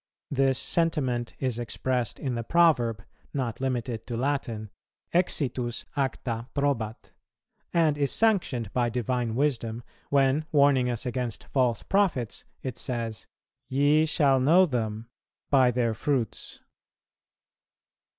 This sentiment is expressed in the proverb, not limited to Latin, Exitus acta probat; and is sanctioned by Divine wisdom, when, warning us against false prophets, it says, "Ye shall know them by their fruits."